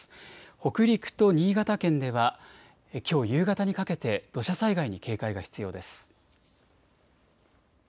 北陸と新潟県ではきょう夕方にかけて土砂災害に警戒が必要です。